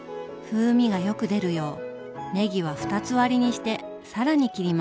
風味がよく出るようねぎは二つ割りにして更に切ります。